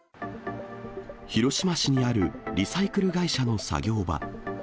広島市にあるリサイクル会社の作業場。